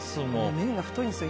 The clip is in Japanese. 麺が太いんですよ。